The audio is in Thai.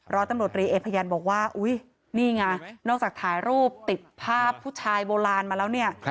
ร้อยตำรวจรีเอกพยันบอกว่าอุ๊ยนี่ไงนอกจากถ่ายรูปติดภาพผู้ชายโบราณมาแล้วเนี่ย